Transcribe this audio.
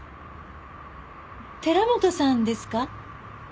寺本さんですか？